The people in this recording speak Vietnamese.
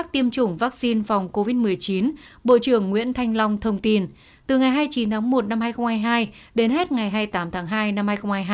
tiêm chủng vaccine phòng covid một mươi chín bộ trưởng nguyễn thanh long thông tin từ ngày hai mươi chín tháng một năm hai nghìn hai mươi hai đến hết ngày hai mươi tám tháng hai năm hai nghìn hai mươi hai